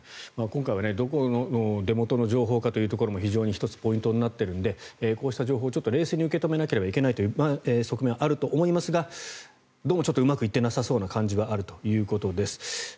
今回はどこの出元の情報かということも非常に１つポイントになっているのでこうした情報を冷静に受け止めなければいけないという側面はあると思いますがどうもちょっとうまくいってなさそうな感じはあるということです。